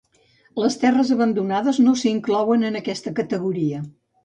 Les terres abandonades no s'inclouen en aquesta categoria.